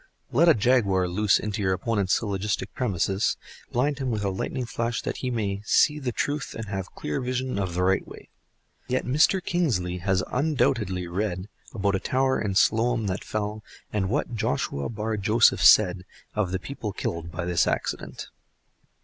Let a jaguar loose into your opponent's syllogistic premises, blind him with a lightning flash that he may see the truth and have clear vision of the right way. Yet Mr. Kingsley has undoubtedly read about a tower in Siloam that fell, and what Joshua Bar Joseph said of the people killed by this accident.